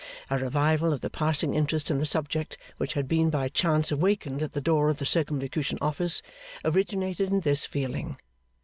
A revival of the passing interest in the subject which had been by chance awakened at the door of the Circumlocution Office, originated in this feeling.